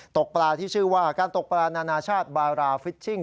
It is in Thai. ตกปลาที่ชื่อว่าการตกปลานานาชาติบาราฟิชชิง